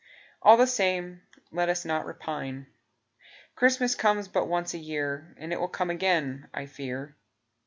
All the same, Let us not repine: Christmas comes but once a year, And it will come again, I fear.